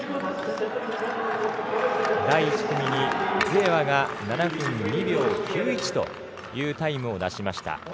第１組にズエワが７分２秒９１というタイムを出しました。